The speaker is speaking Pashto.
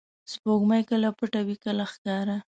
• سپوږمۍ کله پټه وي، کله ښکاره.